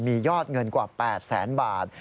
มียอดเงินกว่า๘แสนบาท